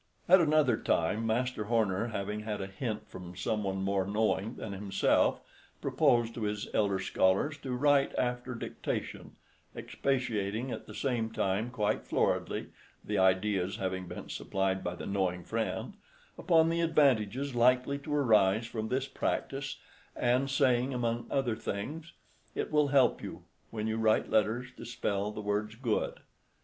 At another time, Master Horner, having had a hint from some one more knowing than himself, proposed to his elder scholars to write after dictation, expatiating at the same time quite floridly (the ideas having been supplied by the knowing friend), upon the advantages likely to arise from this practice, and saying, among other things, "It will help you, when you write letters, to spell the words good."